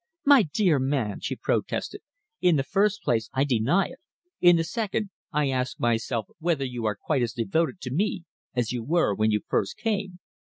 "My dear man," she protested, "in the first place I deny it. In the second, I ask myself whether you are quite as devoted to me as you were when you first came."